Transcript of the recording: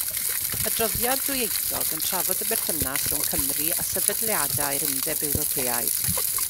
Adroddiad dwyieithog yn trafod y berthynas rhwng Cymru a sefydliadau'r Undeb Ewropeaidd.